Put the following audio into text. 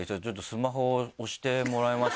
スマホを押してもらえます？